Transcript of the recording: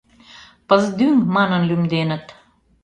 — Пыздӱҥ манын лӱмденыт.